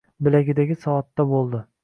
Bilagidagi soatda bo‘ldi.